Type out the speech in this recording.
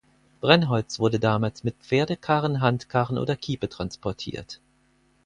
Brennholz wurde damals mit Pferdekarren, Handkarren oder Kiepe transportiert.